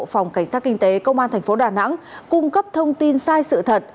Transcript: phòng cảnh sát kinh tế công an thành phố đà nẵng cung cấp thông tin sai sự thật